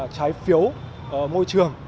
trái phiếu môi trường